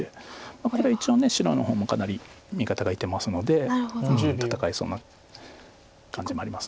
これは一応白の方もかなり味方がいてますので戦えそうな感じもあります。